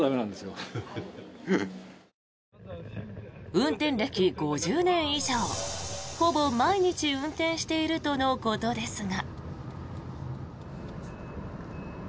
運転歴５０年以上ほぼ毎日運転しているとのことですが。